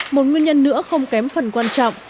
một nguyên nhân nữa không kém phần quan trọng